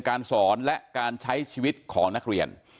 การสอนและการใช้ชีวิตของนักเรียน